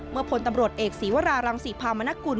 เมื่อผลตำรวจเอกศีวรารังศีพามนกุล